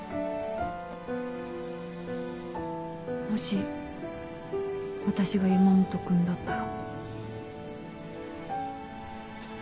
もし私が山本君だったら。